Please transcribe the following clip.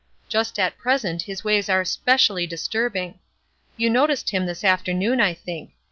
Just at present his ways are specially disturbing. You noticed him this afternoon, I think!